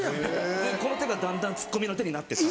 でこの手がだんだんツッコミの手になってった。